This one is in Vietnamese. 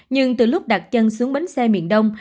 nhưng từ lúc đặt chân xuống bến xe miền đông